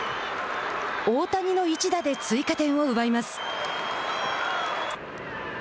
大谷の一打で追加点を奪います。